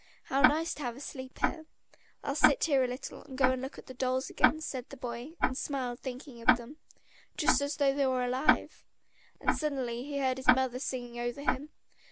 How nice to have a sleep here! "I'll sit here a little and go and look at the dolls again," said the boy, and smiled thinking of them. "Just as though they were alive!..." And suddenly he heard his mother singing over him.